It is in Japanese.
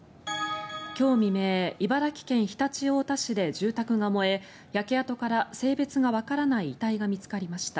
今日未明、茨城県常陸太田市で住宅が燃え焼け跡から、性別がわからない遺体が見つかりました。